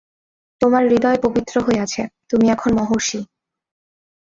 তোমার হৃদয় পবিত্র হইয়াছে, তুমি এখন মহর্ষি।